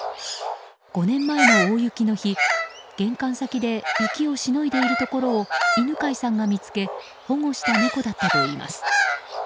５年前の大雪の日、玄関先で雪をしのいでいるところを犬飼さんが見つけ保護した猫だったといいます。